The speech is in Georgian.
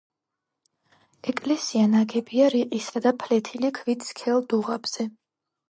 ეკლესია ნაგებია რიყისა და ფლეთილი ქვით სქელ დუღაბზე.